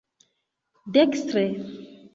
dekstre